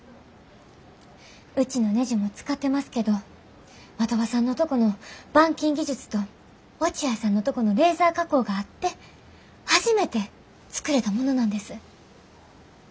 うちのねじも使ってますけど的場さんのとこの板金技術と落合さんのとこのレーザー加工があって初めて作れたものなんです。